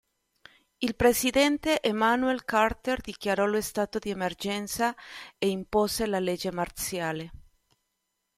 Il presidente Emmanuel Carter dichiarò lo stato di emergenza e impose la legge marziale.